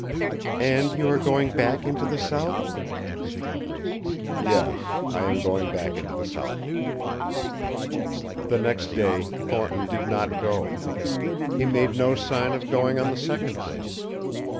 "And you are going back into the south?" "Yes, I am going back into the south." The next day Thornton did not go. He made no sign of going on the second day.